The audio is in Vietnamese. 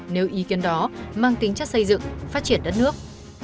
nếu ý kiến đó mang tính chất xây dựng phát triển đất nước